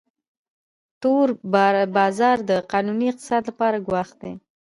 تور بازار د قانوني اقتصاد لپاره ګواښ دی